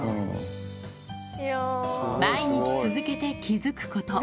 毎日続けて気付くこと。